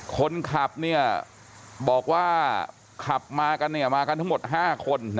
คนขับเนี่ยบอกว่าขับมากันเนี่ยมากันทั้งหมด๕คน